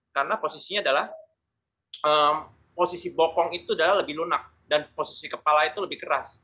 karena posisinya adalah posisi bokong itu adalah lebih lunak dan posisi kepala itu lebih keras